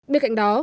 bên cạnh đó